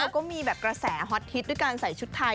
ก็มีแบบกระแสฮอตฮิตด้วยการใส่ชุดไทย